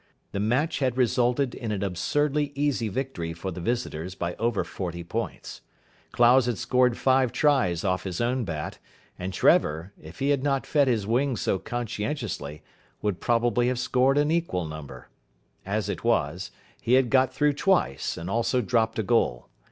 The match had resulted in an absurdly easy victory for the visitors by over forty points. Clowes had scored five tries off his own bat, and Trevor, if he had not fed his wing so conscientiously, would probably have scored an equal number. As it was, he had got through twice, and also dropped a goal.